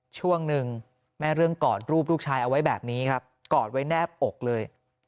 ช่วงหนึ่งแม่เรื่องกอดรูปลูกชายเอาไว้แบบนี้ครับกอดไว้แนบอกเลย